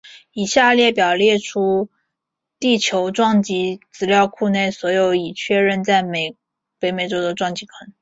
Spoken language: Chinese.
以下列表列出地球撞击资料库内所有已确认并在北美洲的撞击坑。